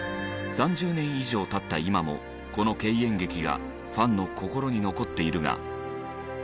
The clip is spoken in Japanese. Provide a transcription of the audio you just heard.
３０年以上経った今もこの敬遠劇がファンの心に残っているが。